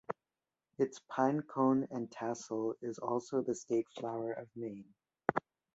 Its "pine cone and tassel" is also the State Flower of Maine.